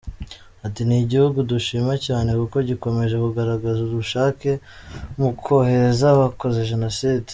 Ati “Ni igihugu dushima cyane kuko gikomeje kugaragaza ubushake mu kohereza abakoze Jenoside.